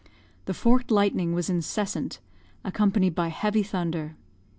The forked lightning was incessant, accompanied by heavy thunder.